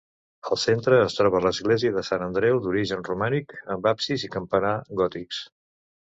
Al centre es troba l'església de Sant Andreu, d’origen romànic, amb absis i campanar gòtics.